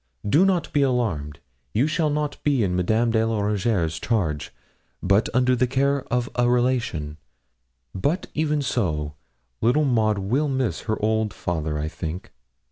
Do not be alarmed. You shall not be in Madame de la Rougierre's charge, but under the care of a relation; but even so, little Maud will miss her old father, I think.'